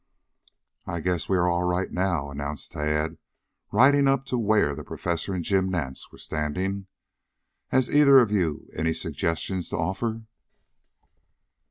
"I guess we are all right now," announced Tad, riding up to where the Professor and Jim Nance were standing. "Has either of you any suggestions to offer?"